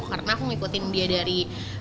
karena aku ngikutin dia dari